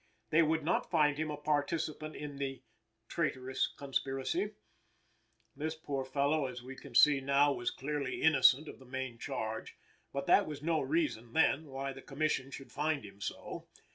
They would not find him a participant in the "traitorous conspiracy." This poor fellow, as we can see now, was clearly innocent of the main charge; but that was no reason, then, why the Commission should find him so.